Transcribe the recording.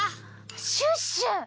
シュッシュ！